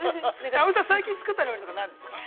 葵さん、最近作った料理とかは何ですか。